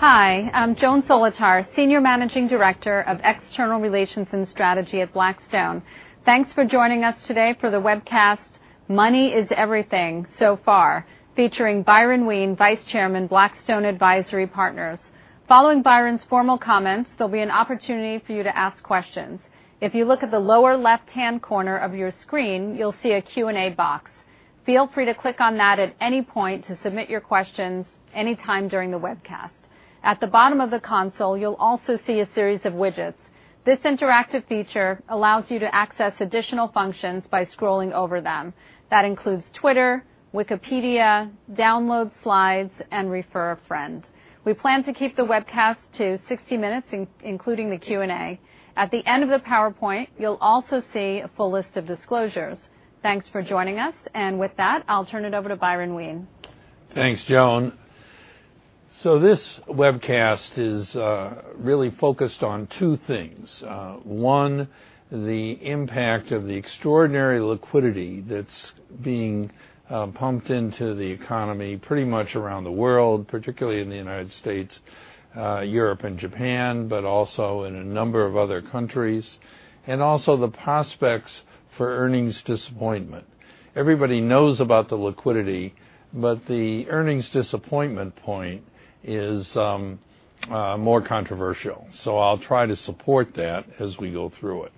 Hi, I'm Joan Solotar, Senior Managing Director of External Relations and Strategy at Blackstone. Thanks for joining us today for the webcast, Money is Everything So Far, featuring Byron Wien, Vice Chairman, Blackstone Advisory Partners. Following Byron's formal comments, there'll be an opportunity for you to ask questions. If you look at the lower left-hand corner of your screen, you'll see a Q&A box. Feel free to click on that at any point to submit your questions anytime during the webcast. At the bottom of the console, you'll also see a series of widgets. This interactive feature allows you to access additional functions by scrolling over them. That includes Twitter, Wikipedia, download slides, and refer a friend. We plan to keep the webcast to 60 minutes, including the Q&A. At the end of the PowerPoint, you'll also see a full list of disclosures. Thanks for joining us, with that, I'll turn it over to Byron Wien. Thanks, Joan. This webcast is really focused on two things. One, the impact of the extraordinary liquidity that's being pumped into the economy pretty much around the world, particularly in the U.S., Europe, and Japan, also in a number of other countries. Also the prospects for earnings disappointment. Everybody knows about the liquidity, the earnings disappointment point is more controversial. I'll try to support that as we go through it.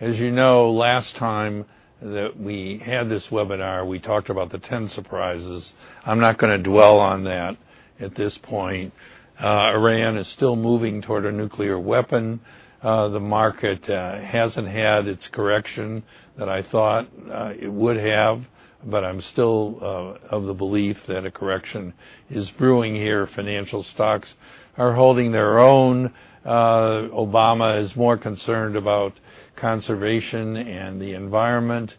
As you know, last time that we had this webinar, we talked about the 10 surprises. I'm not going to dwell on that at this point. Iran is still moving toward a nuclear weapon. The market hasn't had its correction that I thought it would have, I'm still of the belief that a correction is brewing here. Financial stocks are holding their own. Obama is more concerned about conservation and the environment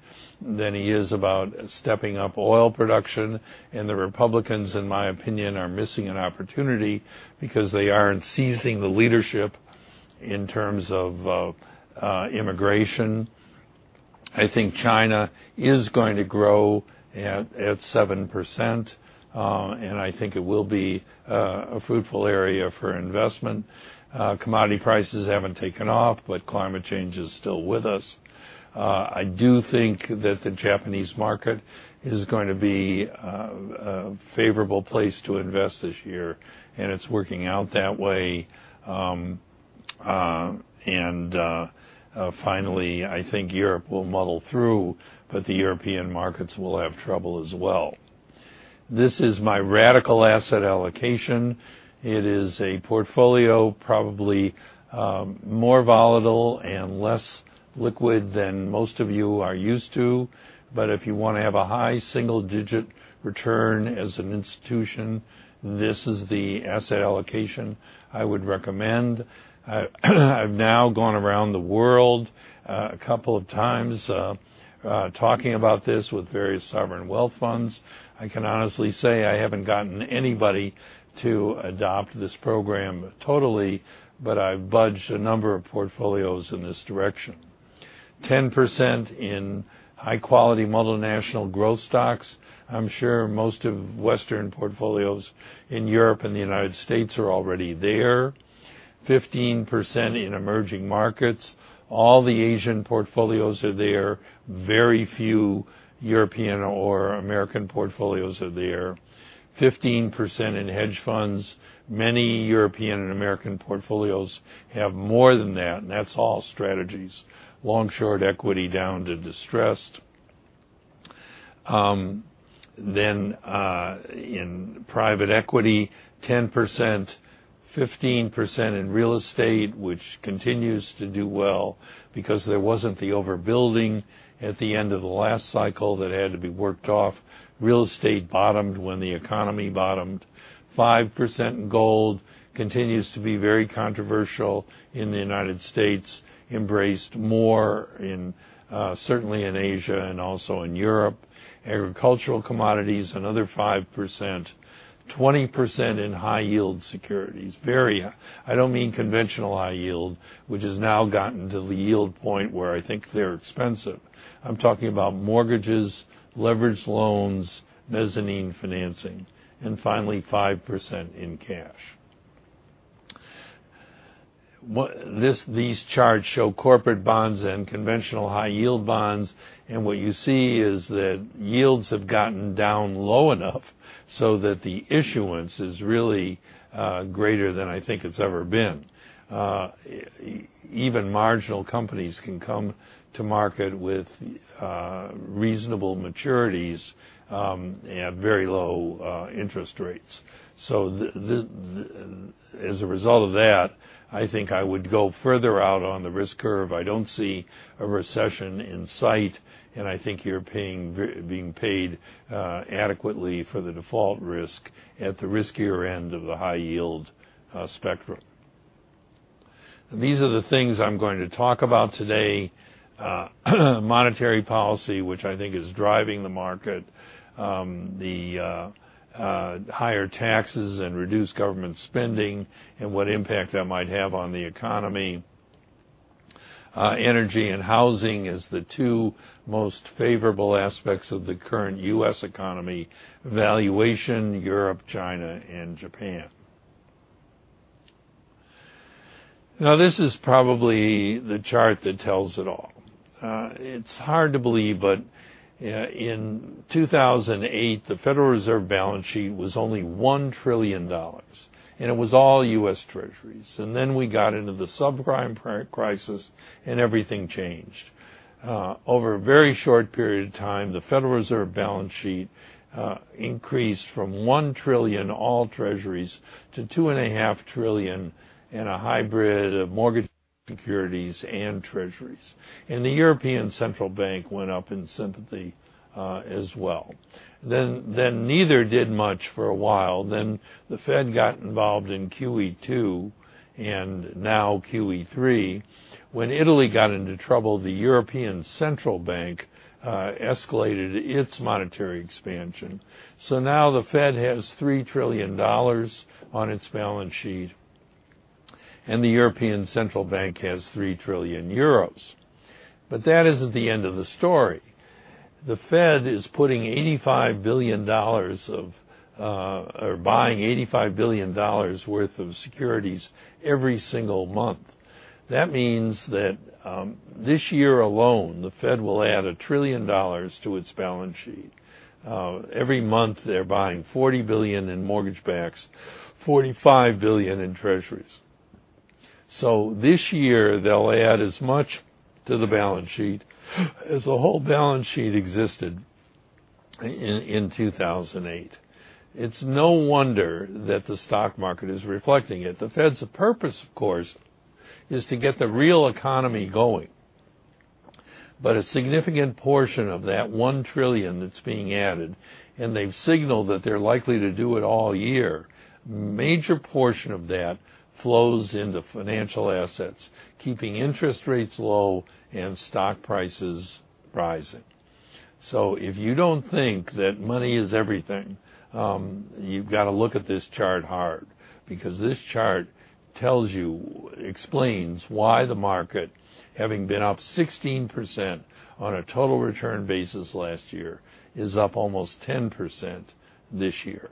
than he is about stepping up oil production. The Republicans, in my opinion, are missing an opportunity because they aren't seizing the leadership in terms of immigration. I think China is going to grow at 7%, I think it will be a fruitful area for investment. Commodity prices haven't taken off, climate change is still with us. I do think that the Japanese market is going to be a favorable place to invest this year, it's working out that way. Finally, I think Europe will muddle through, the European markets will have trouble as well. This is my radical asset allocation. It is a portfolio probably more volatile and less liquid than most of you are used to. If you want to have a high single-digit return as an institution, this is the asset allocation I would recommend. I've now gone around the world a couple of times talking about this with various sovereign wealth funds. I can honestly say I haven't gotten anybody to adopt this program totally, but I've budged a number of portfolios in this direction. 10% in high-quality multinational growth stocks. I'm sure most of the Western portfolios in Europe and the U.S. are already there. 15% in emerging markets. All the Asian portfolios are there. Very few European or American portfolios are there. 15% in hedge funds. Many European and American portfolios have more than that, and that's all strategies. Long-short equity down to distressed. In private equity, 10%. As a result of that, I think I would go further out on the risk curve. I don't see a recession in sight, and I think you're being paid adequately for the default risk at the riskier end of the high-yield spectrum. These are the things I'm going to talk about today. Monetary policy, which I think is driving the market. The higher taxes and reduced government spending, and what impact that might have on the economy. Energy and housing as the two most favorable aspects of the current U.S. economy. Valuation, Europe, China, and Japan. This is probably the chart that tells it all. It's hard to believe, but securities and Treasuries. The European Central Bank went up in sympathy as well. Neither did much for a while. The Fed got involved in QE2 and now QE3. When Italy got into trouble, the European Central Bank escalated its monetary expansion. Now the Fed has $3 trillion on its balance sheet, and the European Central Bank has €3 trillion. That isn't the end of the story. The Fed is buying $85 billion worth of securities every single month. That means that this year alone, the Fed will add $1 trillion to its balance sheet. Every month, they're buying $40 billion in mortgage backs, $45 billion in Treasuries. This year, they'll add as much to the balance sheet as the whole balance sheet existed in 2008. It's no wonder that the stock market is reflecting it. The Fed's purpose, of course, is to get the real economy going. A significant portion of that $1 trillion that's being added, and they've signaled that they're likely to do it all year, major portion of that flows into financial assets, keeping interest rates low and stock prices rising. If you don't think that money is everything, you've got to look at this chart hard, because this chart explains why the market, having been up 16% on a total return basis last year, is up almost 10% this year.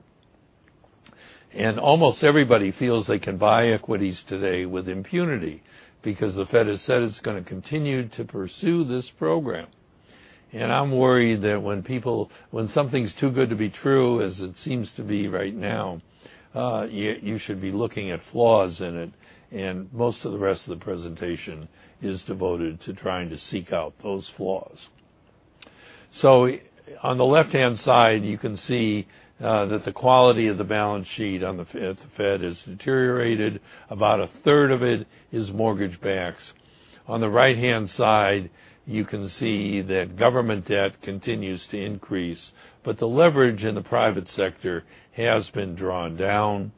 Almost everybody feels they can buy equities today with impunity because the Fed has said it's going to continue to pursue this program. I'm worried that when something's too good to be true, as it seems to be right now, you should be looking at flaws in it. Most of the rest of the presentation is devoted to trying to seek out those flaws. On the left-hand side, you can see that the quality of the balance sheet on the Fed has deteriorated. About a third of it is mortgage backs. On the right-hand side, you can see that government debt continues to increase, but the leverage in the private sector has been drawn down.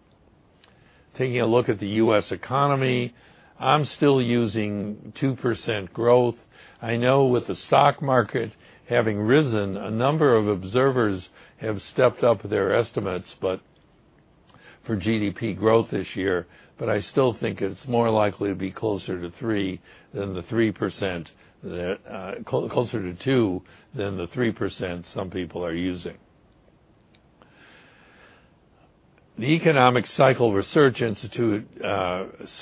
Taking a look at the U.S. economy, I'm still using 2% growth. I know with the stock market having risen, a number of observers have stepped up their estimates for GDP growth this year, but I still think it's more likely to be closer to 2% than the 3% some people are using. The Economic Cycle Research Institute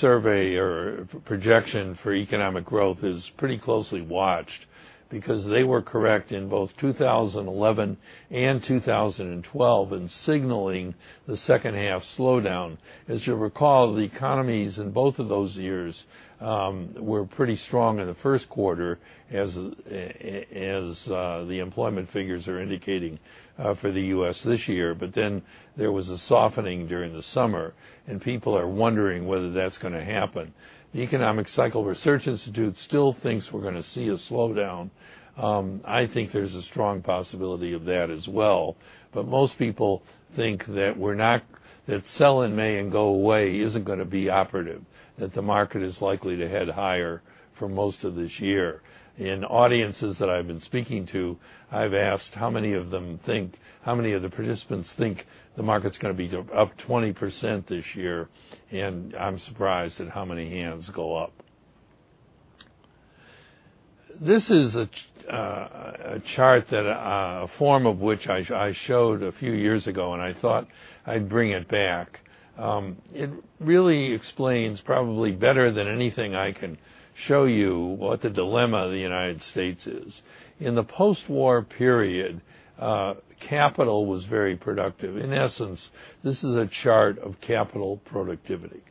survey or projection for economic growth is pretty closely watched because they were correct in both 2011 and 2012 in signaling the second half slowdown. As you'll recall, the economies in both of those years were pretty strong in the first quarter as the employment figures are indicating for the U.S. this year. There was a softening during the summer, and people are wondering whether that's going to happen. The Economic Cycle Research Institute still thinks we're going to see a slowdown. I think there's a strong possibility of that as well. Most people think that sell in May and go away isn't going to be operative, that the market is likely to head higher for most of this year. In audiences that I've been speaking to, I've asked how many of the participants think the market's going to be up 20% this year, and I'm surprised at how many hands go up. This is a chart, a form of which I showed a few years ago, and I thought I'd bring it back. It really explains probably better than anything I can show you what the dilemma of the United States is. In the post-war period, capital was very productive. In essence, this is a chart of capital productivity.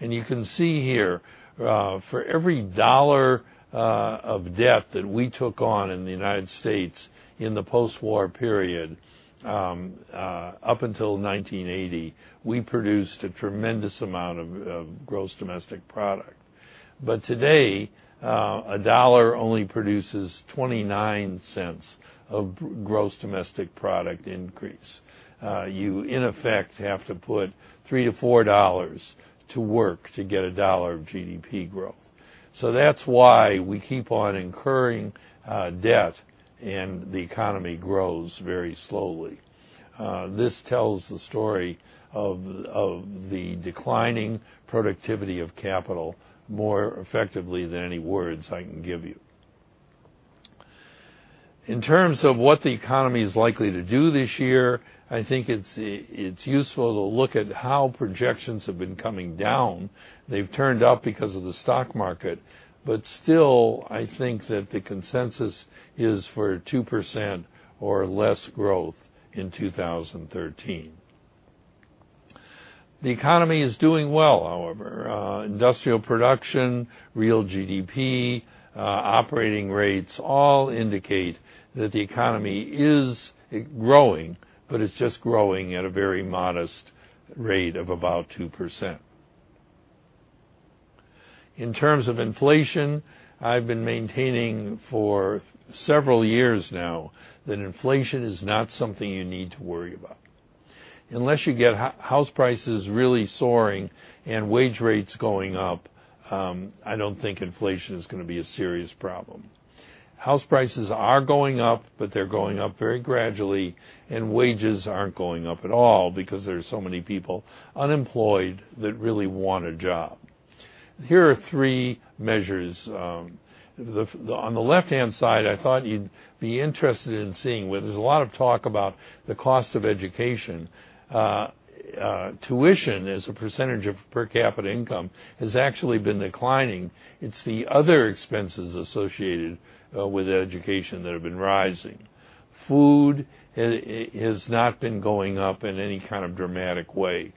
You can see here, for every dollar of debt that we took on in the United States in the post-war period, up until 1980, we produced a tremendous amount of gross domestic product. Today, a dollar only produces $0.29 of gross domestic product increase. You, in effect, have to put $3 to $4 to work to get $1 of GDP growth. That's why we keep on incurring debt and the economy grows very slowly. This tells the story of the declining productivity of capital more effectively than any words I can give you. In terms of what the economy is likely to do this year, I think it's useful to look at how projections have been coming down. They've turned up because of the stock market. Still, I think that the consensus is for 2% or less growth in 2013. The economy is doing well, however. Industrial production, real GDP, operating rates all indicate that the economy is growing, but it's just growing at a very modest rate of about 2%. In terms of inflation, I've been maintaining for several years now that inflation is not something you need to worry about. Unless you get house prices really soaring and wage rates going up, I don't think inflation is going to be a serious problem. House prices are going up, but they're going up very gradually, and wages aren't going up at all because there's so many people unemployed that really want a job. Here are three measures. On the left-hand side, I thought you'd be interested in seeing where there's a lot of talk about the cost of education. Tuition, as a percentage of per capita income, has actually been declining. It's the other expenses associated with education that have been rising. Food has not been going up in any kind of dramatic way.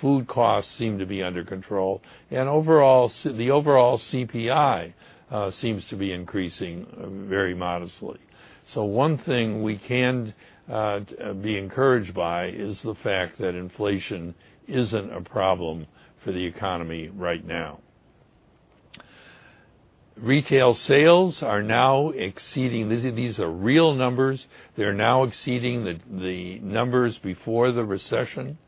Food costs seem to be under control. The overall CPI seems to be increasing very modestly. One thing we can be encouraged by is the fact that inflation isn't a problem for the economy right now. Retail sales are now exceeding-- These are real numbers. They're now exceeding the numbers before the recession.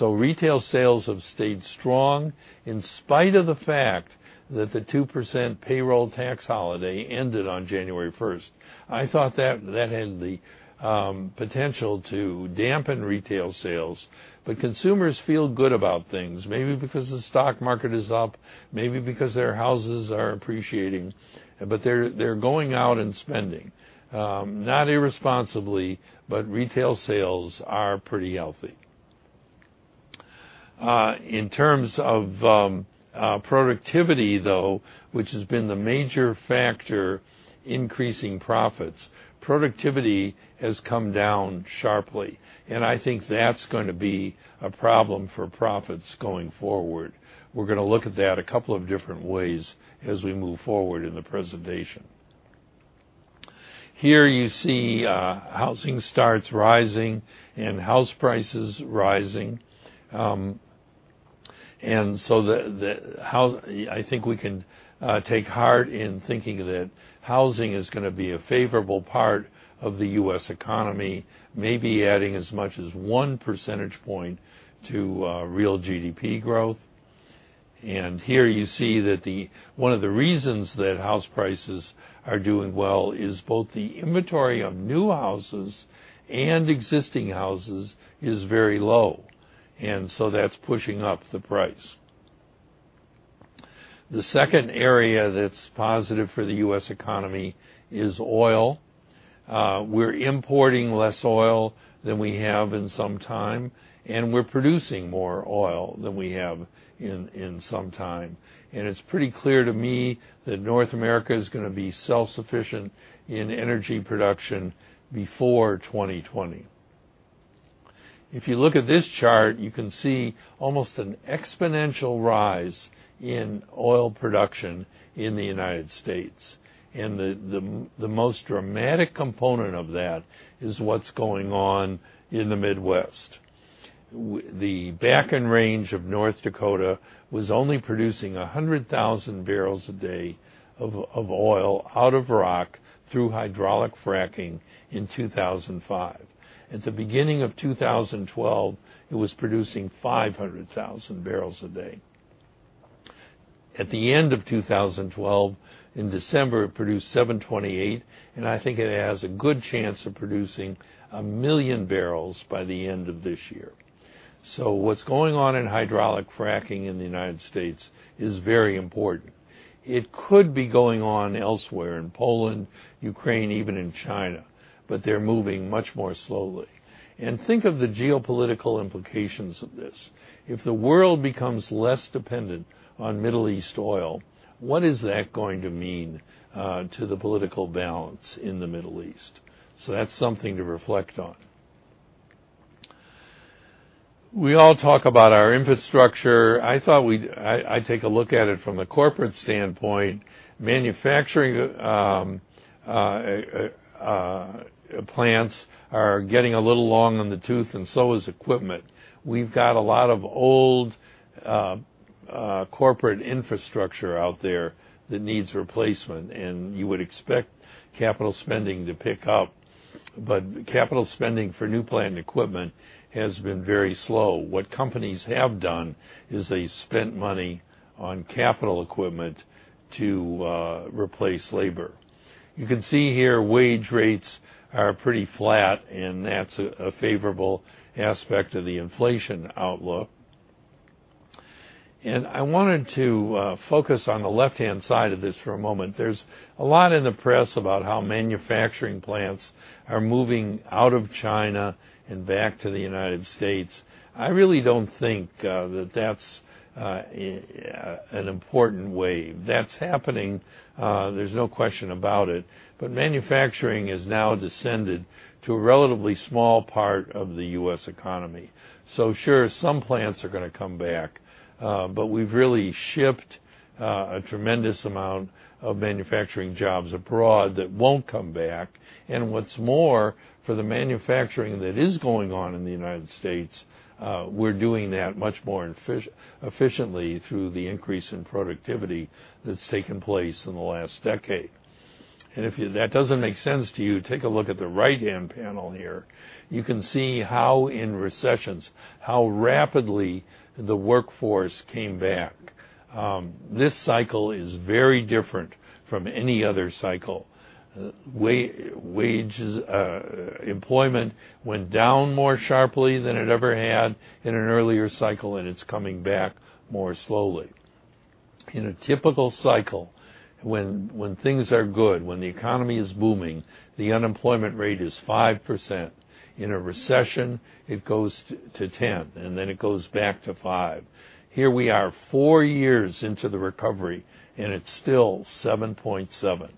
Retail sales have stayed strong in spite of the fact that the 2% payroll tax holiday ended on January 1st. I thought that had the potential to dampen retail sales. Consumers feel good about things, maybe because the stock market is up, maybe because their houses are appreciating. They're going out and spending, not irresponsibly, but retail sales are pretty healthy. In terms of productivity, though, which has been the major factor increasing profits, productivity has come down sharply, and I think that's going to be a problem for profits going forward. We're going to look at that a couple of different ways as we move forward in the presentation. Here you see housing starts rising and house prices rising. I think we can take heart in thinking that housing is going to be a favorable part of the U.S. economy, maybe adding as much as one percentage point to real GDP growth. Here you see that one of the reasons that house prices are doing well is both the inventory of new houses and existing houses is very low, and so that's pushing up the price. The second area that's positive for the U.S. economy is oil. We're importing less oil than we have in some time, and we're producing more oil than we have in some time. It's pretty clear to me that North America is going to be self-sufficient in energy production before 2020. If you look at this chart, you can see almost an exponential rise in oil production in the U.S., and the most dramatic component of that is what's going on in the Midwest. The Bakken range of North Dakota was only producing 100,000 barrels a day of oil out of rock through hydraulic fracking in 2005. At the beginning of 2012, it was producing 500,000 barrels a day. At the end of 2012, in December, it produced 728, and I think it has a good chance of producing 1,000,000 barrels by the end of this year. what's going on in hydraulic fracking in the U.S. is very important. It could be going on elsewhere, in Poland, Ukraine, even in China, but they're moving much more slowly. think of the geopolitical implications of this. If the world becomes less dependent on Middle East oil, what is that going to mean to the political balance in the Middle East? that's something to reflect on. We all talk about our infrastructure. I thought I'd take a look at it from the corporate standpoint. Manufacturing plants are getting a little long in the tooth, and so is equipment. We've got a lot of old corporate infrastructure out there that needs replacement, and you would expect capital spending to pick up. But capital spending for new plant equipment has been very slow. What companies have done is they spent money on capital equipment to replace labor. You can see here wage rates are pretty flat, and that's a favorable aspect of the inflation outlook. And I wanted to focus on the left-hand side of this for a moment. There's a lot in the press about how manufacturing plants are moving out of China and back to the U.S. I really don't think that's an important wave. That's happening, there's no question about it, but manufacturing has now descended to a relatively small part of the U.S. economy. So sure, some plants are going to come back. But we've really shipped a tremendous amount of manufacturing jobs abroad that won't come back, and what's more, for the manufacturing that is going on in the U.S., we're doing that much more efficiently through the increase in productivity that's taken place in the last decade. And if that doesn't make sense to you, take a look at the right-hand panel here. You can see how in recessions, how rapidly the workforce came back. This cycle is very different from any other cycle. Employment went down more sharply than it ever had in an earlier cycle, and it's coming back more slowly. In a typical cycle, when things are good, when the economy is booming, the unemployment rate is 5%. In a recession, it goes to 10%, and then it goes back to 5%. Here we are, four years into the recovery, and it's still 7.7%.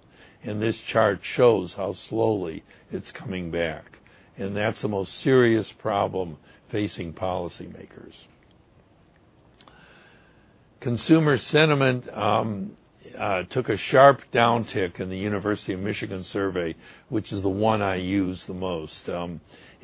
And this chart shows how slowly it's coming back. And that's the most serious problem facing policymakers. Consumer sentiment took a sharp downtick in the University of Michigan survey, which is the one I use the most.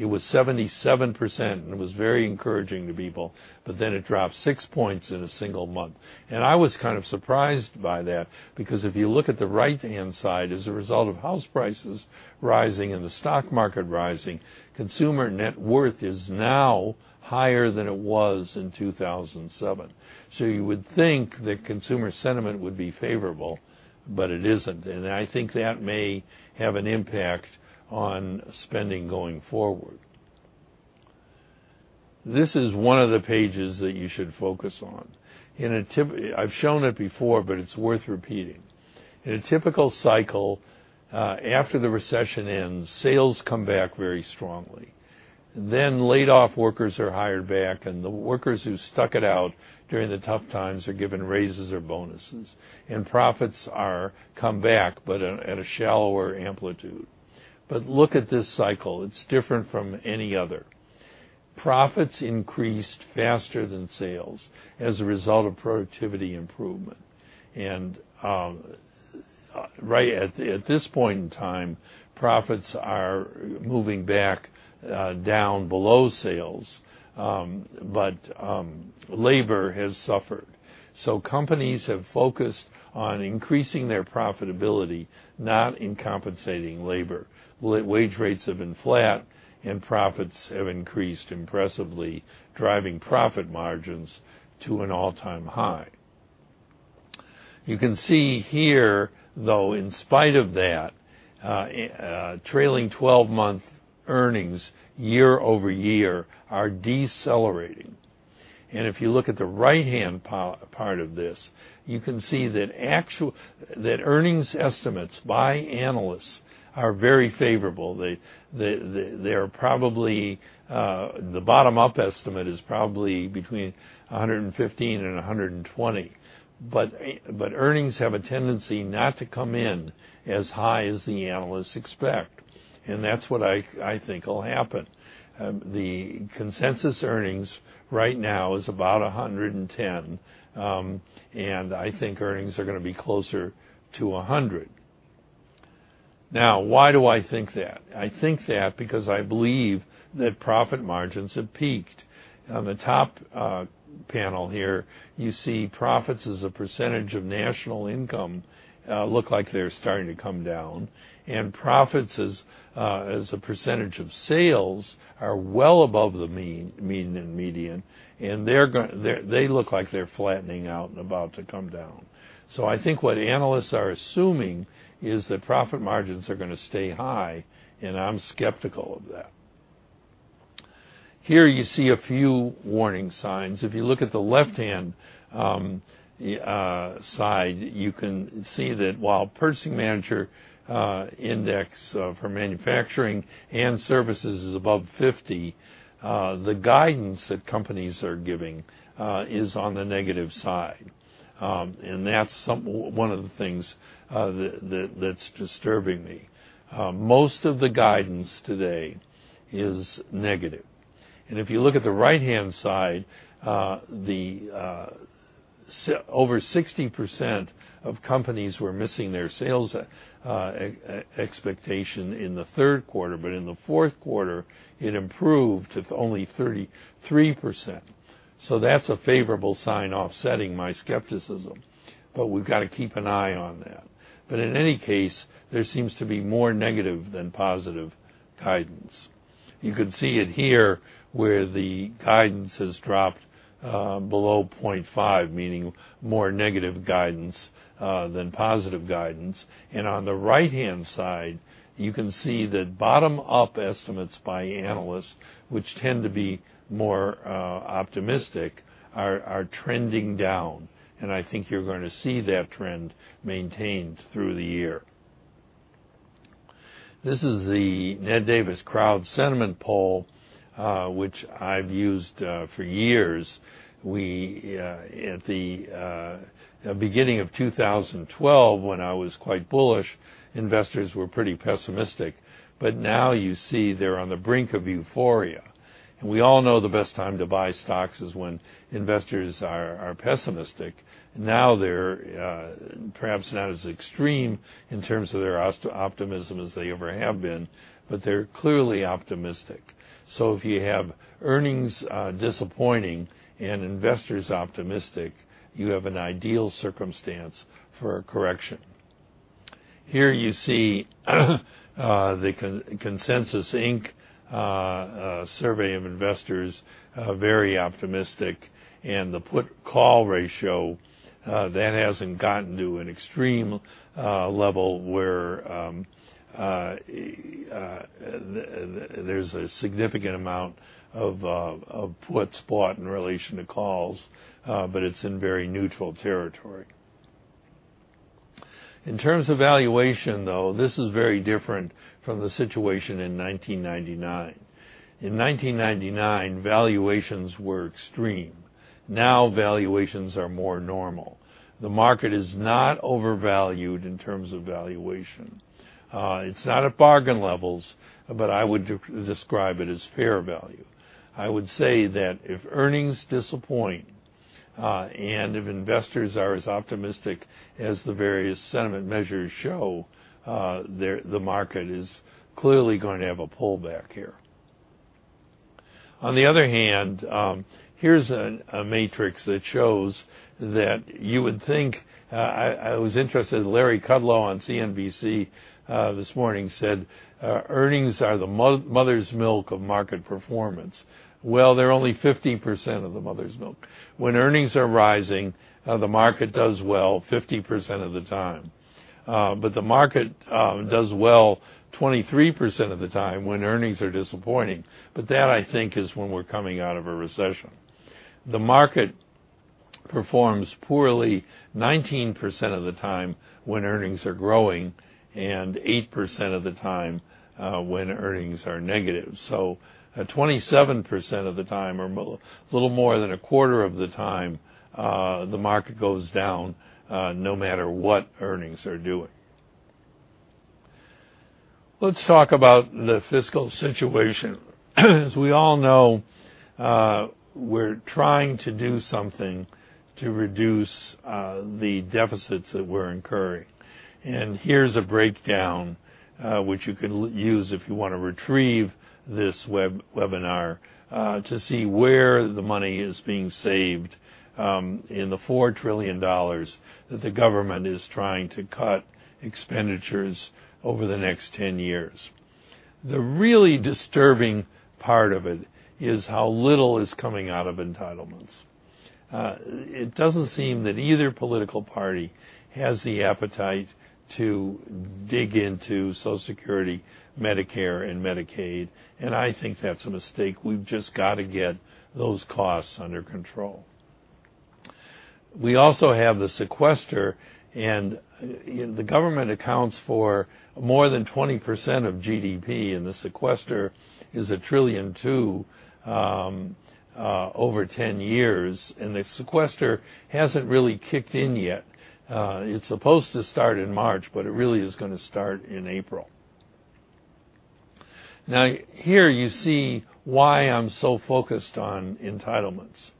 It was 77%, and it was very encouraging to people, but then it dropped six points in a single month. I was kind of surprised by that, because if you look at the right-hand side, as a result of house prices rising and the stock market rising, consumer net worth is now higher than it was in 2007. You would think that consumer sentiment would be favorable, but it isn't. I think that may have an impact on spending going forward. This is one of the pages that you should focus on. I've shown it before, but it's worth repeating. In a typical cycle, after the recession ends, sales come back very strongly. Laid-off workers are hired back, and the workers who stuck it out during the tough times are given raises or bonuses, and profits come back, but at a shallower amplitude. Look at this cycle. It's different from any other. Profits increased faster than sales as a result of productivity improvement. At this point in time, profits are moving back down below sales, but labor has suffered. Companies have focused on increasing their profitability, not in compensating labor. Wage rates have been flat, and profits have increased impressively, driving profit margins to an all-time high. You can see here, though, in spite of that, trailing 12-month earnings year-over-year are decelerating. If you look at the right-hand part of this, you can see that earnings estimates by analysts are very favorable. The bottom-up estimate is probably between $115 and $120. Earnings have a tendency not to come in as high as the analysts expect, and that's what I think will happen. The consensus earnings right now is about $110, and I think earnings are going to be closer to $100. Why do I think that? I think that because I believe that profit margins have peaked. On the top panel here, you see profits as a % of national income look like they're starting to come down, and profits as a % of sales are well above the mean and median, and they look like they're flattening out and about to come down. I think what analysts are assuming is that profit margins are going to stay high, and I'm skeptical of that. Here, you see a few warning signs. If you look at the left-hand side, you can see that while Purchasing Managers' Index for manufacturing and services is above 50, the guidance that companies are giving is on the negative side. That's one of the things that's disturbing me. Most of the guidance today is negative. If you look at the right-hand side, over 60% of companies were missing their sales expectation in the third quarter. In the fourth quarter, it improved to only 33%. That's a favorable sign offsetting my skepticism, but we've got to keep an eye on that. In any case, there seems to be more negative than positive guidance. You can see it here where the guidance has dropped below 0.5, meaning more negative guidance than positive guidance. On the right-hand side, you can see that bottom-up estimates by analysts, which tend to be more optimistic, are trending down. I think you're going to see that trend maintained through the year. This is the NDR Crowd Sentiment Poll, which I've used for years. At the beginning of 2012, when I was quite bullish, investors were pretty pessimistic, but now you see they're on the brink of euphoria. We all know the best time to buy stocks is when investors are pessimistic. They're perhaps not as extreme in terms of their optimism as they ever have been, but they're clearly optimistic. If you have earnings disappointing and investors optimistic, you have an ideal circumstance for a correction. Here you see the Consensus Economics survey of investors, very optimistic, and the put/call ratio, that hasn't gotten to an extreme level where there's a significant amount of puts bought in relation to calls, but it's in very neutral territory. In terms of valuation, though, this is very different from the situation in 1999. In 1999, valuations were extreme. Now valuations are more normal. The market is not overvalued in terms of valuation. It's not at bargain levels, but I would describe it as fair value. I would say that if earnings disappoint, and if investors are as optimistic as the various sentiment measures show, the market is clearly going to have a pullback here. On the other hand, here's a matrix that shows that you would think I was interested, Larry Kudlow on CNBC this morning said, "Earnings are the mother's milk of market performance." Well, they're only 50% of the mother's milk. When earnings are rising, the market does well 50% of the time. The market does well 23% of the time when earnings are disappointing. That, I think, is when we're coming out of a recession. The market performs poorly 19% of the time when earnings are growing and 8% of the time when earnings are negative. At 27% of the time, or a little more than a quarter of the time, the market goes down no matter what earnings are doing. Let's talk about the fiscal situation. As we all know, we're trying to do something to reduce the deficits that we're incurring. Here's a breakdown, which you can use if you want to retrieve this webinar to see where the money is being saved in the $4 trillion that the government is trying to cut expenditures over the next 10 years. The really disturbing part of it is how little is coming out of entitlements. It doesn't seem that either political party has the appetite to dig into Social Security, Medicare, and Medicaid, and I think that's a mistake. We've just got to get those costs under control. We also have the sequester. The government accounts for more than 20% of GDP, and the sequester is $1.2 trillion over 10 years. The sequester hasn't really kicked in yet. It's supposed to start in March, but it really is going to start in April. Here you see why I'm so focused on entitlements.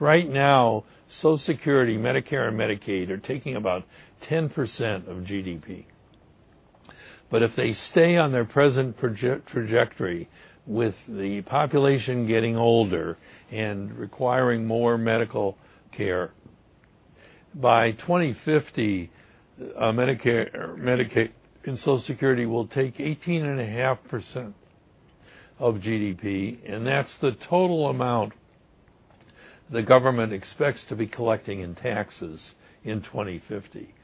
Right now, Social Security, Medicare, and Medicaid are taking about 10% of GDP. If they stay on their present trajectory with the population getting older and requiring more medical care, by 2050, Medicare and Social Security will take 18.5% of GDP, and that's the total amount the government expects to be collecting in taxes in 2050.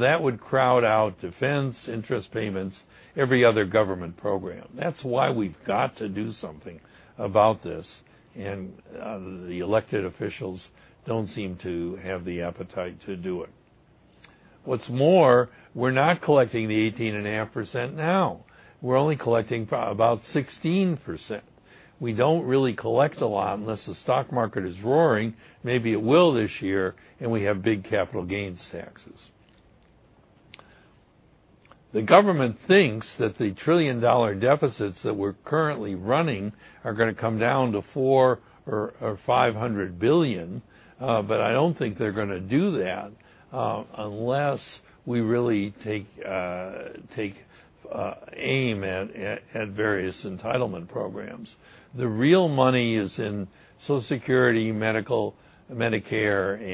That would crowd out defense, interest payments, every other government program. That's why we've got to do something about this, and the elected officials don't seem to have the appetite to do it. We're not collecting the 18.5% now. We're only collecting about 16%. We don't really collect a lot unless the stock market is roaring, maybe it will this year, and we have big capital gains taxes. The government thinks that the trillion-dollar deficits that we're currently running are going to come down to $400 or $500 billion, but I don't think they're going to do that unless we really take aim at various entitlement programs. The real money is in Social Security, Medicare,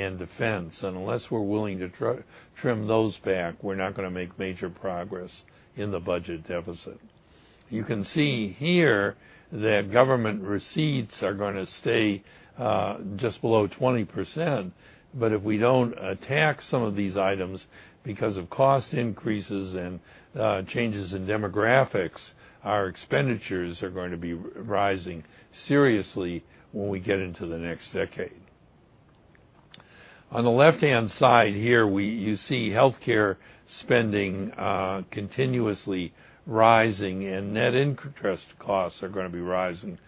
and defense. Unless we're willing to trim those back, we're not going to make major progress in the budget deficit. You can see here that government receipts are going to stay just below 20%, but if we don't attack some of these items because of cost increases and changes in demographics, our expenditures are going to be rising seriously when we get into the next decade. On the left-hand side here, you see healthcare spending continuously rising, net interest costs are going to be rising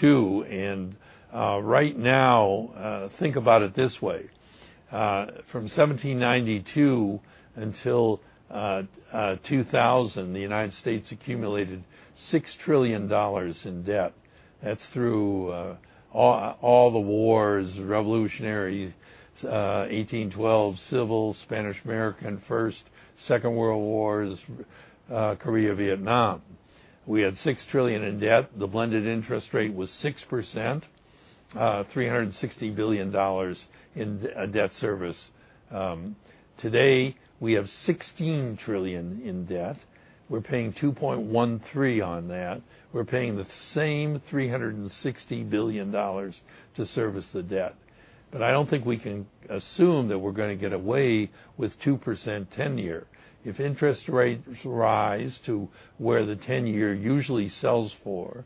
too. Right now, think about it this way. From 1792 until 2000, the United States accumulated $6 trillion in debt. That's through all the wars, Revolutionary, 1812, Civil, Spanish-American, First, Second World Wars, Korea, Vietnam. We had $6 trillion in debt. The blended interest rate was 6%, $360 billion in debt service. Today, we have $16 trillion in debt. We're paying 2.13% on that. We're paying the same $360 billion to service the debt. I don't think we can assume that we're going to get away with 2% 10-year. If interest rates rise to where the 10-year usually sells for,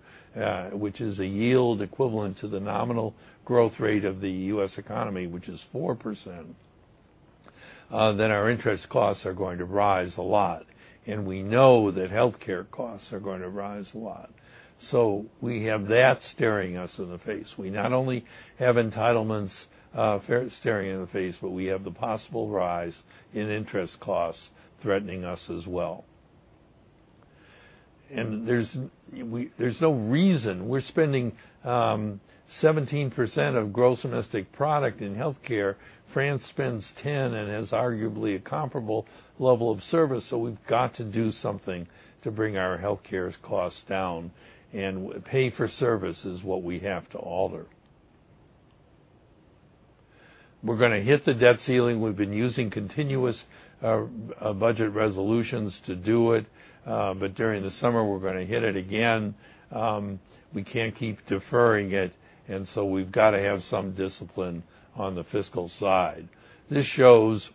which is a yield equivalent to the nominal growth rate of the U.S. economy, which is 4%, our interest costs are going to rise a lot, we know that healthcare costs are going to rise a lot. We have that staring us in the face. We not only have entitlements staring us in the face, but we have the possible rise in interest costs threatening us as well. There's no reason. We're spending 17% of gross domestic product in healthcare. France spends 10% and has arguably a comparable level of service, we've got to do something to bring our healthcare's costs down, and pay for service is what we have to alter. We're going to hit the debt ceiling. We've been using continuous budget resolutions to do it. During the summer, we're going to hit it again. We can't keep deferring it, we've got to have some discipline on the fiscal side. This shows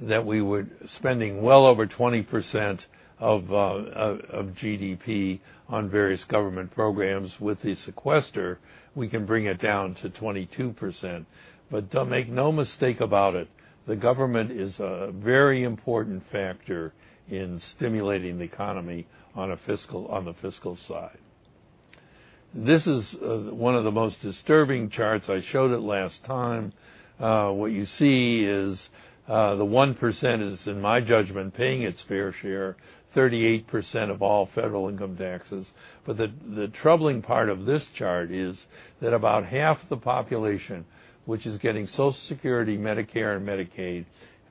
that we were spending well over 20% of GDP on various government programs. With the sequester, we can bring it down to 22%. Make no mistake about it, the government is a very important factor in stimulating the economy on the fiscal side. This is one of the most disturbing charts. I showed it last time. What you see is the 1% is, in my judgment, paying its fair share, 38% of all federal income taxes. The troubling part of this chart is that about half the population, which is getting Social Security, Medicare and Medicaid,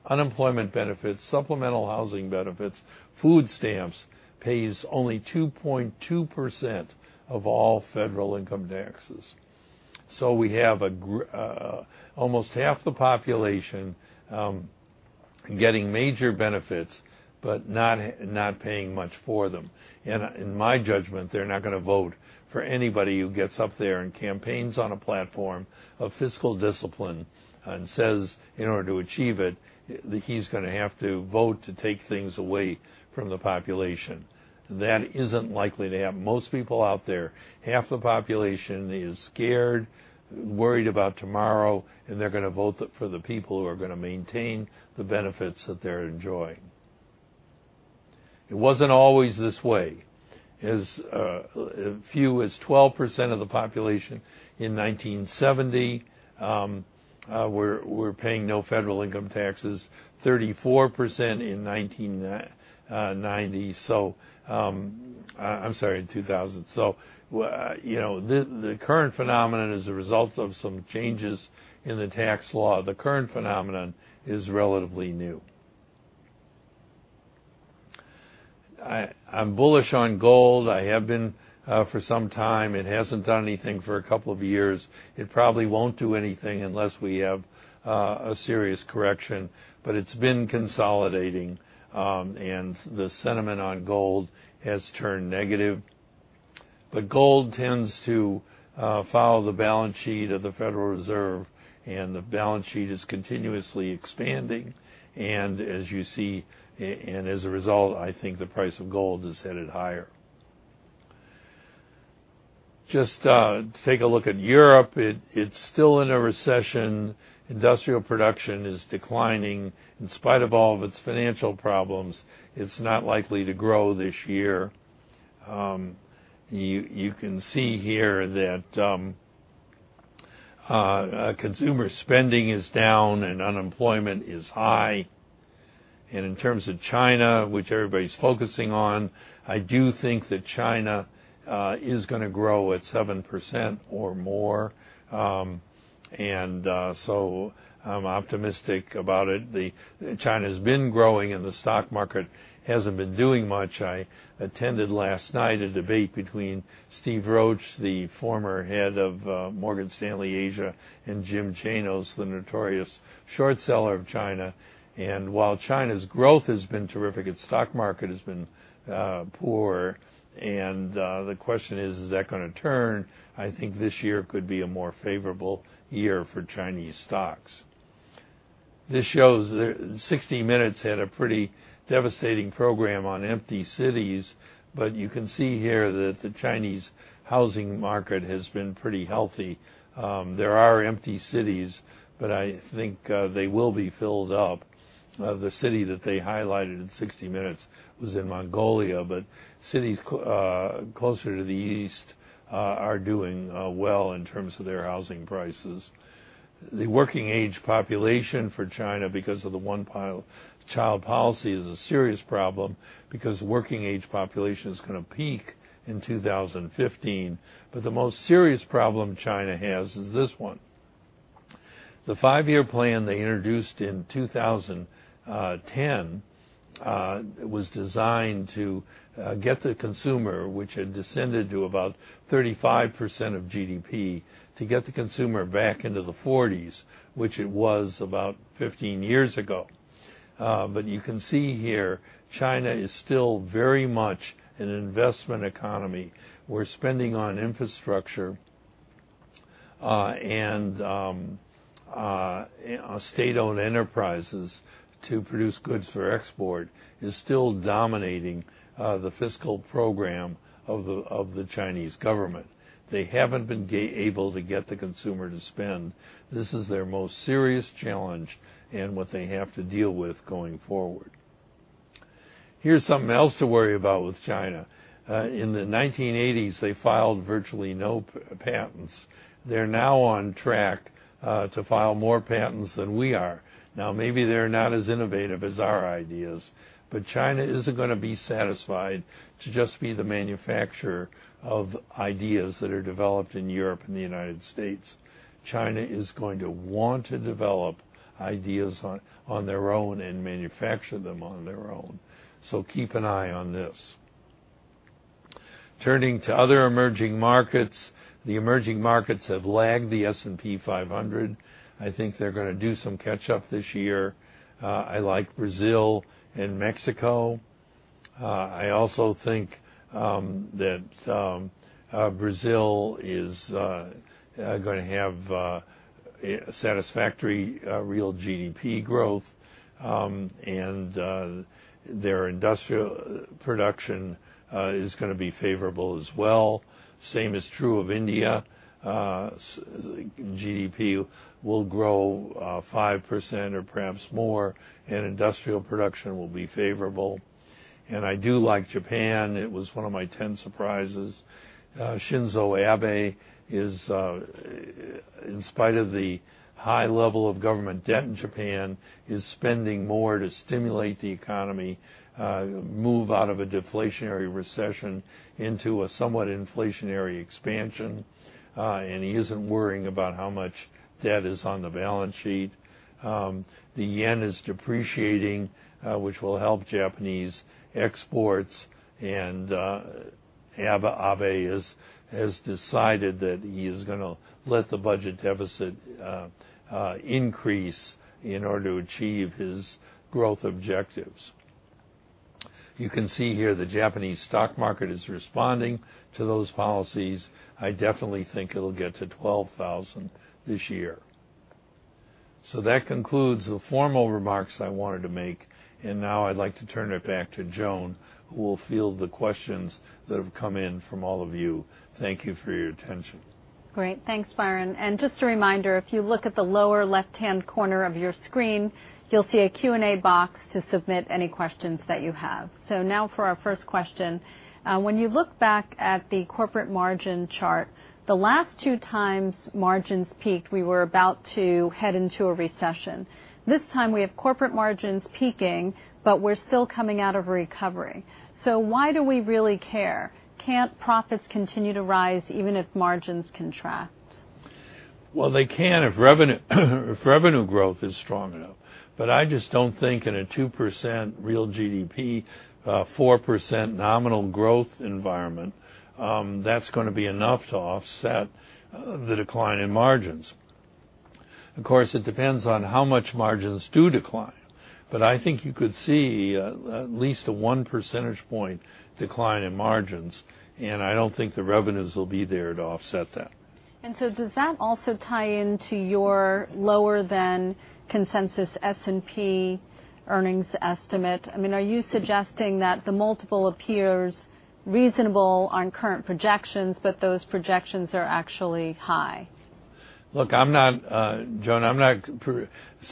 unemployment benefits, supplemental housing benefits, food stamps, pays only 2.2% of all federal income taxes. We have almost half the population getting major benefits but not paying much for them. In my judgment, they're not going to vote for anybody who gets up there and campaigns on a platform of fiscal discipline and says, in order to achieve it, that he's going to have to vote to take things away from the population. That isn't likely to happen. Most people out there, half the population is scared, worried about tomorrow, and they're going to vote for the people who are going to maintain the benefits that they're enjoying. It wasn't always this way. As few as 12% of the population in 1970 were paying no federal income taxes, 34% in 2000. The current phenomenon is a result of some changes in the tax law. The current phenomenon is relatively new. I'm bullish on gold. I have been for some time. It hasn't done anything for a couple of years. It probably won't do anything unless we have a serious correction. It's been consolidating, and the sentiment on gold has turned negative. Gold tends to follow the balance sheet of the Federal Reserve, and the balance sheet is continuously expanding. As you see, and as a result, I think the price of gold is headed higher. Just take a look at Europe. It's still in a recession. Industrial production is declining. In spite of all of its financial problems, it's not likely to grow this year. You can see here that consumer spending is down and unemployment is high. In terms of China, which everybody's focusing on, I do think that China is going to grow at 7% or more, I'm optimistic about it. China's been growing, and the stock market hasn't been doing much. I attended last night a debate between Steve Roach, the former head of Morgan Stanley Asia, and Jim Chanos, the notorious short seller of China. While China's growth has been terrific, its stock market has been poor. The question is: is that going to turn? I think this year could be a more favorable year for Chinese stocks. This shows that 60 Minutes had a pretty devastating program on empty cities, you can see here that the Chinese housing market has been pretty healthy. There are empty cities, I think they will be filled up. The city that they highlighted in 60 Minutes was in Mongolia, but cities closer to the East are doing well in terms of their housing prices. The working-age population for China, because of the one-child policy, is a serious problem because the working-age population is going to peak in 2015. The most serious problem China has is this one. The five-year plan they introduced in 2010, was designed to get the consumer, which had descended to about 35% of GDP, to get the consumer back into the 40s, which it was about 15 years ago. You can see here, China is still very much an investment economy, where spending on infrastructure and state-owned enterprises to produce goods for export is still dominating the fiscal program of the Chinese government. They haven't been able to get the consumer to spend. This is their most serious challenge and what they have to deal with going forward. Here's something else to worry about with China. In the 1980s, they filed virtually no patents. They're now on track to file more patents than we are. Maybe they're not as innovative as our ideas, but China isn't going to be satisfied to just be the manufacturer of ideas that are developed in Europe and the United States. China is going to want to develop ideas on their own and manufacture them on their own. Keep an eye on this. Turning to other emerging markets, the emerging markets have lagged the S&P 500. I think they're going to do some catch-up this year. I like Brazil and Mexico. I also think that Brazil is going to have satisfactory real GDP growth, and their industrial production is going to be favorable as well. Same is true of India. GDP will grow 5% or perhaps more, and industrial production will be favorable. I do like Japan. It was one of my 10 surprises. Shinzo Abe, in spite of the high level of government debt in Japan, is spending more to stimulate the economy, move out of a deflationary recession into a somewhat inflationary expansion, and he isn't worrying about how much debt is on the balance sheet. The yen is depreciating, which will help Japanese exports, and Abe has decided that he is going to let the budget deficit increase in order to achieve his growth objectives. You can see here the Japanese stock market is responding to those policies. I definitely think it'll get to 12,000 this year. That concludes the formal remarks I wanted to make, and now I'd like to turn it back to Joan, who will field the questions that have come in from all of you. Thank you for your attention. Great. Thanks, Byron. Just a reminder, if you look at the lower left-hand corner of your screen, you'll see a Q&A box to submit any questions that you have. Now for our first question. When you look back at the corporate margin chart, the last two times margins peaked, we were about to head into a recession. This time, we have corporate margins peaking, but we're still coming out of a recovery. Why do we really care? Can't profits continue to rise even if margins contract? Well, they can if revenue growth is strong enough. I just don't think in a 2% real GDP, 4% nominal growth environment, that's going to be enough to offset the decline in margins. Of course, it depends on how much margins do decline. I think you could see at least a one percentage point decline in margins, and I don't think the revenues will be there to offset that. Does that also tie into your lower than consensus S&P earnings estimate? Are you suggesting that the multiple appears reasonable on current projections, but those projections are actually high? Look, Joan, I'm not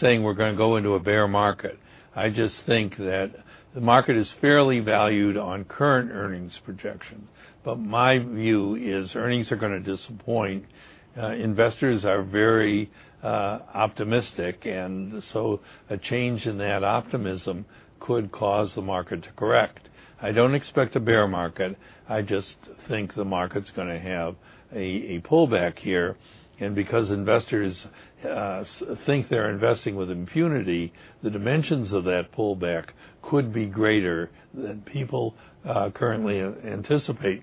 saying we're going to go into a bear market. I just think that the market is fairly valued on current earnings projections. My view is earnings are going to disappoint. Investors are very optimistic, a change in that optimism could cause the market to correct. I don't expect a bear market. I just think the market's going to have a pullback here. Because investors think they're investing with impunity, the dimensions of that pullback could be greater than people currently anticipate.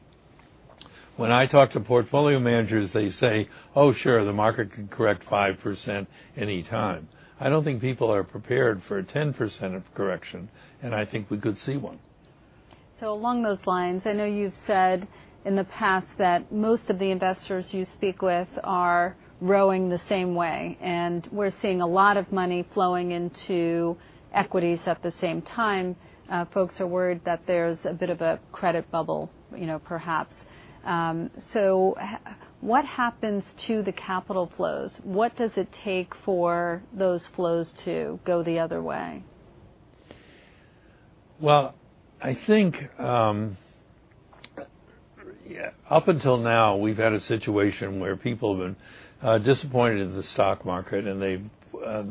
When I talk to portfolio managers, they say, "Oh, sure, the market could correct 5% anytime." I don't think people are prepared for a 10% correction, and I think we could see one. Along those lines, I know you've said in the past that most of the investors you speak with are rowing the same way, and we're seeing a lot of money flowing into equities at the same time. Folks are worried that there's a bit of a credit bubble perhaps. What happens to the capital flows? What does it take for those flows to go the other way? Well, I think up until now, we've had a situation where people have been disappointed in the stock market and the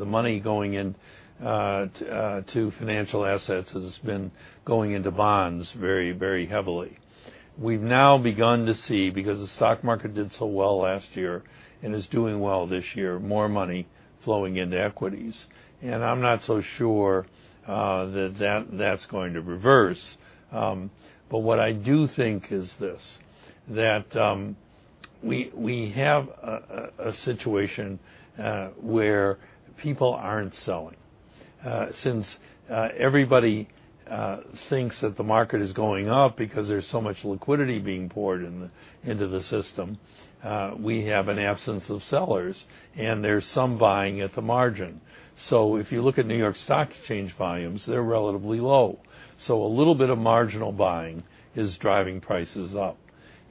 money going into financial assets has been going into bonds very heavily. We've now begun to see, because the stock market did so well last year and is doing well this year, more money flowing into equities. I'm not so sure that that's going to reverse. What I do think is this, that we have a situation where people aren't selling. Since everybody thinks that the market is going up because there's so much liquidity being poured into the system, we have an absence of sellers and there's some buying at the margin. If you look at New York Stock Exchange volumes, they're relatively low. A little bit of marginal buying is driving prices up.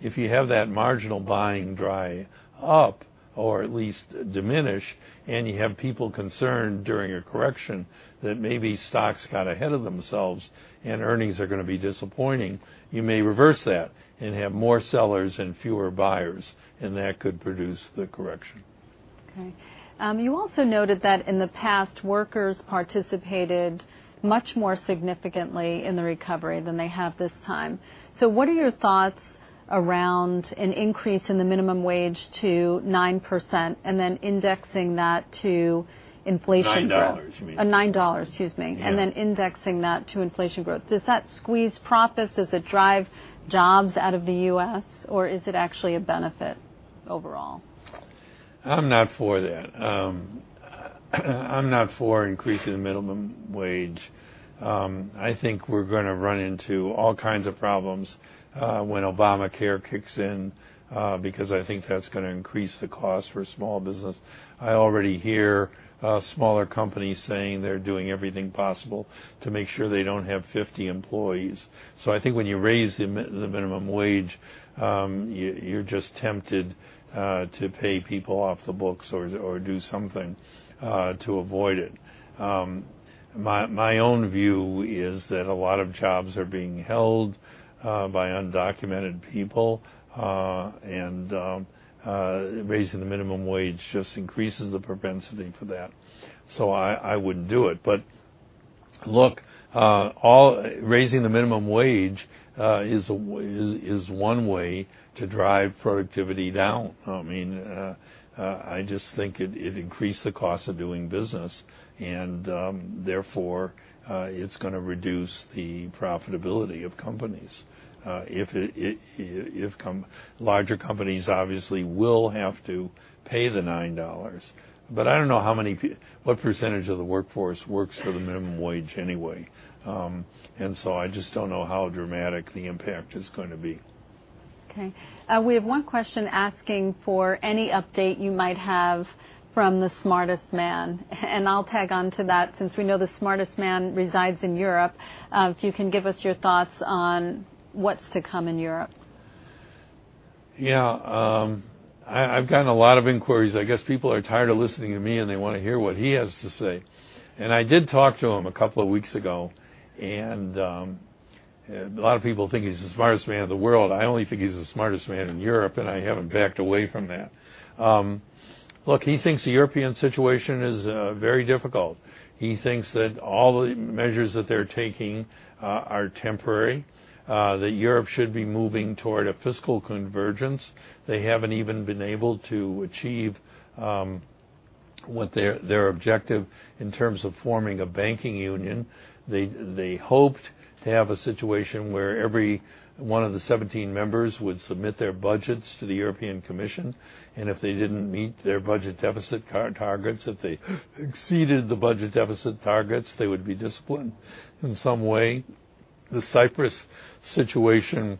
If you have that marginal buying dry up or at least diminish, and you have people concerned during a correction that maybe stocks got ahead of themselves and earnings are going to be disappointing, you may reverse that and have more sellers and fewer buyers, and that could produce the correction. Okay. You also noted that in the past, workers participated much more significantly in the recovery than they have this time. What are your thoughts around an increase in the minimum wage to 9% and then indexing that to inflation growth? $9 you mean. $9, excuse me. Yeah. Indexing that to inflation growth. Does that squeeze profits? Does it drive jobs out of the U.S., or is it actually a benefit overall? I'm not for that. I'm not for increasing the minimum wage. I think we're going to run into all kinds of problems when Obamacare kicks in because I think that's going to increase the cost for small business. I already hear smaller companies saying they're doing everything possible to make sure they don't have 50 employees. I think when you raise the minimum wage, you're just tempted to pay people off the books or do something to avoid it. My own view is that a lot of jobs are being held by undocumented people, and raising the minimum wage just increases the propensity for that. I wouldn't do it. Look, raising the minimum wage is one way to drive productivity down. I just think it'd increase the cost of doing business and therefore, it's going to reduce the profitability of companies. Larger companies obviously will have to pay the $9, but I don't know what percentage of the workforce works for the minimum wage anyway. I just don't know how dramatic the impact is going to be. Okay. We have one question asking for any update you might have from the smartest man. I'll tag onto that since we know the smartest man resides in Europe. If you can give us your thoughts on what's to come in Europe. Yeah. I've gotten a lot of inquiries. I guess people are tired of listening to me, and they want to hear what he has to say. I did talk to him a couple of weeks ago. A lot of people think he's the smartest man in the world. I only think he's the smartest man in Europe, and I haven't backed away from that. Look, he thinks the European situation is very difficult. He thinks that all the measures that they're taking are temporary, that Europe should be moving toward a fiscal convergence. They haven't even been able to achieve their objective in terms of forming a banking union. They hoped to have a situation where every one of the 17 members would submit their budgets to the European Commission. If they didn't meet their budget deficit targets, if they exceeded the budget deficit targets, they would be disciplined in some way. The Cyprus situation,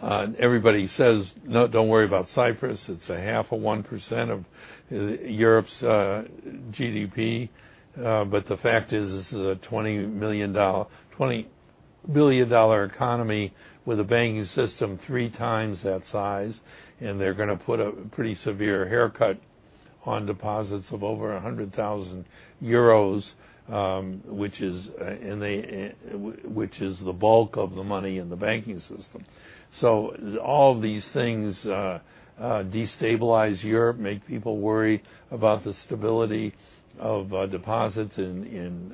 everybody says, "No, don't worry about Cyprus. It's a half of 1% of Europe's GDP." The fact is, it's a $20 billion economy with a banking system three times that size, and they're going to put a pretty severe haircut on deposits of over €100,000, which is the bulk of the money in the banking system. All these things destabilize Europe, make people worry about the stability of deposits in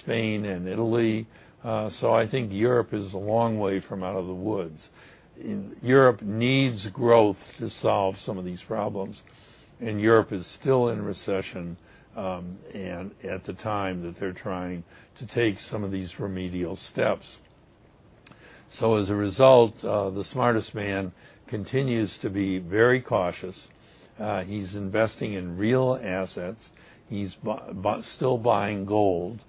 Spain and Italy. I think Europe is a long way from out of the woods. Europe needs growth to solve some of these problems. Europe is still in recession at the time that they're trying to take some of these remedial steps. As a result, the smartest man continues to be very cautious. He's investing in real assets. He's still buying gold.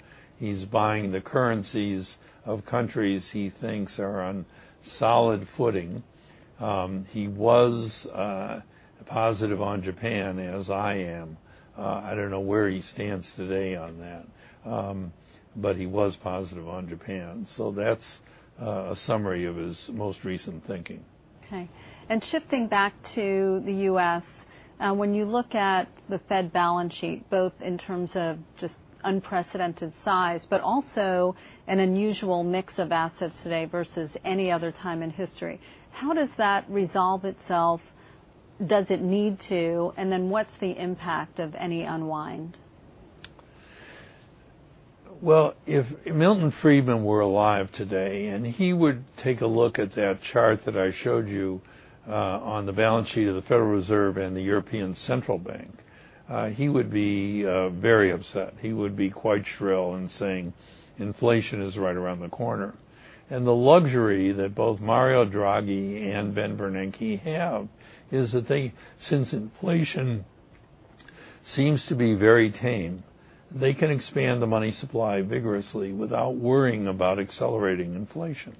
He's buying the currencies of countries he thinks are on solid footing. He was positive on Japan, as I am. I don't know where he stands today on that. He was positive on Japan. That's a summary of his most recent thinking. Okay. Shifting back to the U.S., when you look at the Fed balance sheet, both in terms of just unprecedented size, also an unusual mix of assets today versus any other time in history, how does that resolve itself? Does it need to? What's the impact of any unwind? Well, if Milton Friedman were alive today, he would take a look at that chart that I showed you on the balance sheet of the Federal Reserve and the European Central Bank, he would be very upset. He would be quite shrill in saying inflation is right around the corner. The luxury that both Mario Draghi and Ben Bernanke have is that since inflation seems to be very tame, they can expand the money supply vigorously without worrying about accelerating inflation.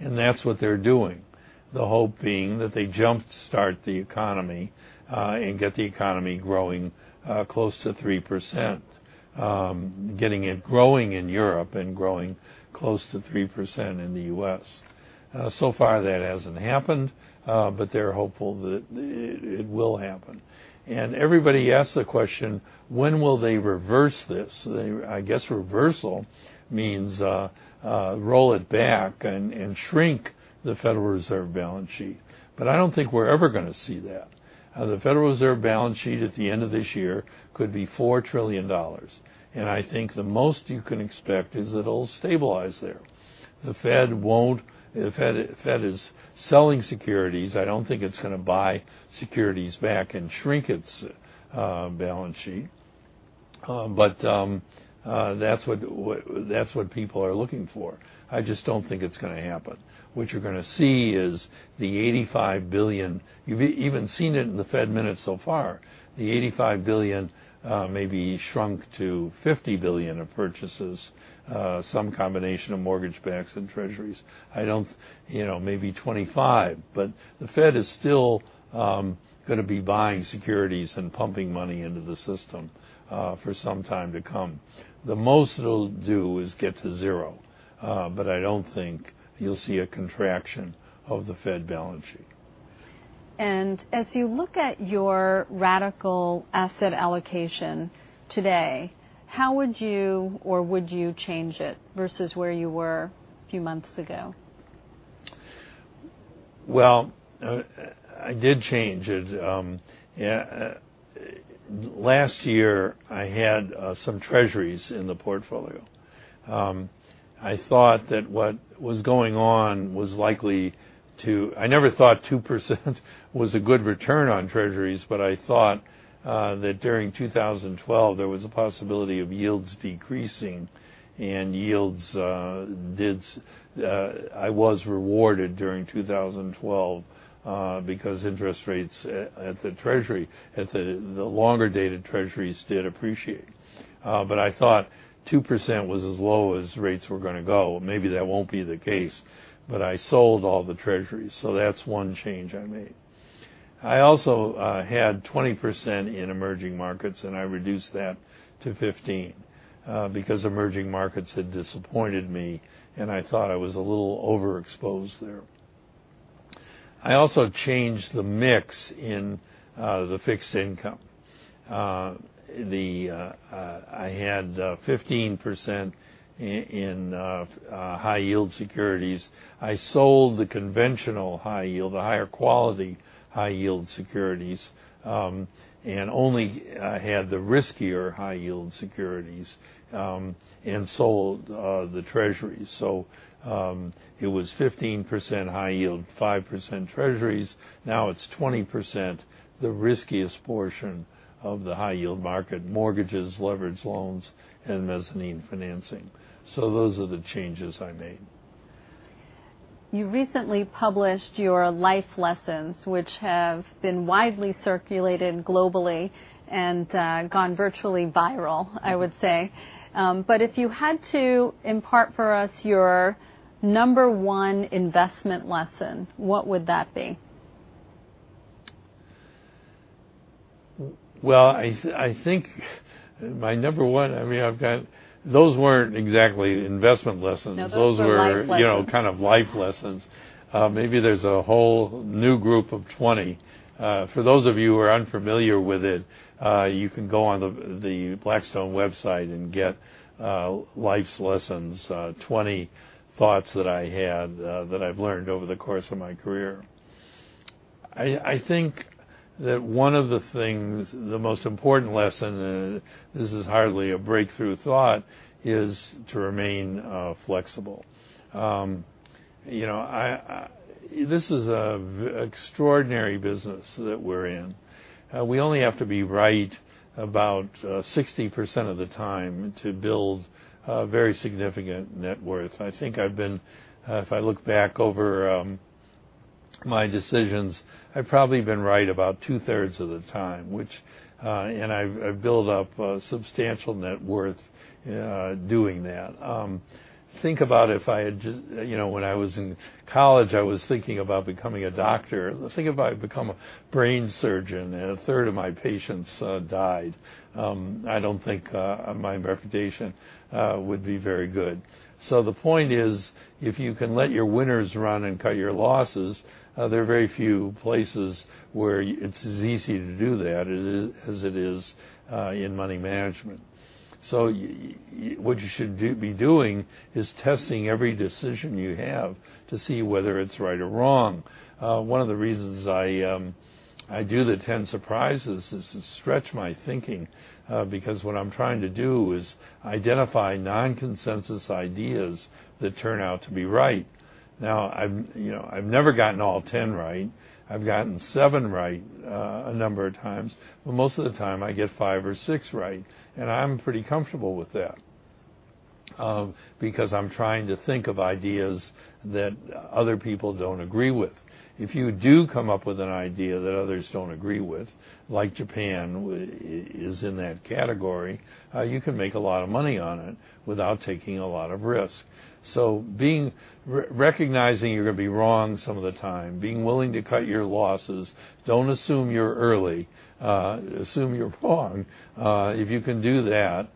That's what they're doing, the hope being that they jumpstart the economy, and get the economy growing close to 3%, getting it growing in Europe and growing close to 3% in the U.S. So far, that hasn't happened, but they're hopeful that it will happen. Everybody asks the question, when will they reverse this? I guess reversal means roll it back and shrink the Federal Reserve balance sheet. I don't think we're ever going to see that. The Federal Reserve balance sheet at the end of this year could be $4 trillion. I think the most you can expect is it'll stabilize there. The Fed is selling securities. I don't think it's going to buy securities back and shrink its balance sheet. That's what people are looking for. I just don't think it's going to happen. What you're going to see is the $85 billion. You've even seen it in the Fed minutes so far. The $85 billion may be shrunk to $50 billion of purchases, some combination of mortgage-backed securities and treasuries. Maybe $25 billion. The Fed is still going to be buying securities and pumping money into the system for some time to come. The most it'll do is get to zero. I don't think you'll see a contraction of the Fed balance sheet. As you look at your radical asset allocation today, how would you or would you change it versus where you were a few months ago? Well, I did change it. Last year, I had some treasuries in the portfolio. I thought that what was going on was likely. I never thought 2% was a good return on treasuries, but I thought that during 2012, there was a possibility of yields decreasing. Yields did. I was rewarded during 2012 because interest rates at the longer-dated treasuries did appreciate. I thought 2% was as low as rates were going to go. Maybe that won't be the case, but I sold all the treasuries. That's one change I made. I also had 20% in emerging markets, and I reduced that to 15% because emerging markets had disappointed me, and I thought I was a little overexposed there. I also changed the mix in the fixed income. I had 15% in high-yield securities. I sold the conventional high yield, the higher quality high-yield securities, and only had the riskier high-yield securities, and sold the treasuries. It was 15% high yield, 5% treasuries. Now it's 20% the riskiest portion of the high-yield market, mortgages, leveraged loans, and mezzanine financing. Those are the changes I made. You recently published your Life's Lessons, which have been widely circulated globally and gone virtually viral, I would say. If you had to impart for us your number one investment lesson, what would that be? Well, I think my number one, those weren't exactly investment lessons. Those were Life's Lessons. Those were kind of Life's Lessons. Maybe there's a whole new group of 20. For those of you who are unfamiliar with it, you can go on the Blackstone website and get Life's Lessons, 20 thoughts that I had, that I've learned over the course of my career. I think that one of the things, the most important lesson, this is hardly a breakthrough thought, is to remain flexible. This is an extraordinary business that we're in. We only have to be right about 60% of the time to build a very significant net worth. I think if I look back over my decisions, I've probably been right about two-thirds of the time, and I've built up a substantial net worth doing that. When I was in college, I was thinking about becoming a doctor. Let's think if I had become a brain surgeon and a third of my patients died. I don't think my reputation would be very good. The point is, if you can let your winners run and cut your losses, there are very few places where it's as easy to do that as it is in money management. What you should be doing is testing every decision you have to see whether it's right or wrong. One of the reasons I do the 10 surprises is to stretch my thinking, because what I'm trying to do is identify non-consensus ideas that turn out to be right. I've never gotten all 10 right. I've gotten seven right a number of times. Most of the time I get five or six right, and I'm pretty comfortable with that because I'm trying to think of ideas that other people don't agree with. If you do come up with an idea that others don't agree with, like Japan is in that category, you can make a lot of money on it without taking a lot of risk. Recognizing you're going to be wrong some of the time, being willing to cut your losses, don't assume you're early, assume you're wrong. If you can do that,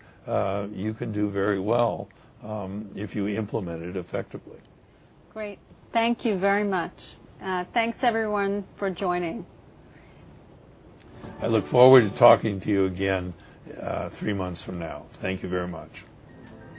you can do very well if you implement it effectively. Great. Thank you very much. Thanks everyone for joining. I look forward to talking to you again three months from now. Thank you very much.